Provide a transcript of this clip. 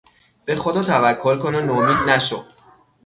به خدا توکل کن ونومید نشو!